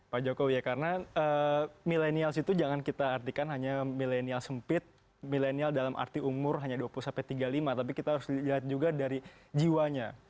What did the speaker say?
pak jokowi ya karena milenials itu jangan kita artikan hanya milenial sempit milenial dalam arti umur hanya dua puluh sampai tiga puluh lima tapi kita harus lihat juga dari jiwanya